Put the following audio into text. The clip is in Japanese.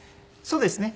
そうですね。